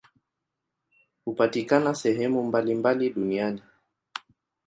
Hupatikana sehemu mbalimbali duniani.